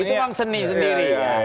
itu memang seni sendiri